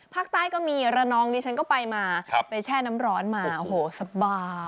ภาคใต้ก็มีระนองดิฉันก็ไปมาไปแช่น้ำร้อนมาโอ้โหสบาย